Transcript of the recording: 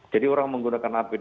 jadi orang menggunakan apd